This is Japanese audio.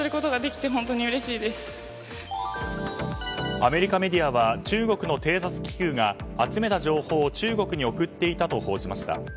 アメリカメディアは中国の偵察気球が集めた情報を中国に送っていたと報じました。